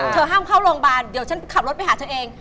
ห้ามเข้าโรงพยาบาลเดี๋ยวฉันขับรถไปหาเธอเอง